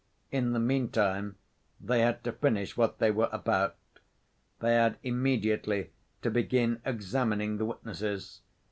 In the meantime they had to finish what they were about. They had immediately to begin examining the witnesses.